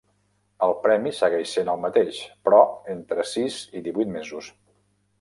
El premi segueix sent el mateix però entre sis i divuit mesos.